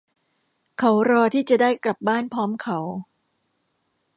เขารอที่จะได้กลับบ้านพร้อมเขา